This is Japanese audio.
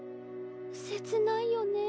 切ないよね。